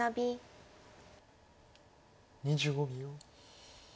２５秒。